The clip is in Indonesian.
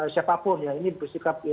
siapapun ya ini bersikap